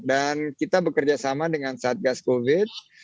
dan kita bekerjasama dengan satgas covid